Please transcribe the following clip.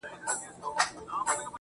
په تا هيـــــڅ خــــبر نـــه يــــم,